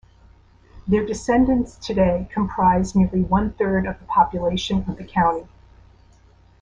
Their descendants today comprise nearly one-third of the population of the county.